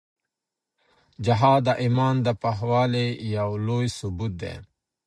جهاد د ایمان د پخوالي یو لوی ثبوت دی.